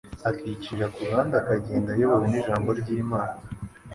akicira ku ruhande akagenda ayobowe n'Ijambo ry'Imana.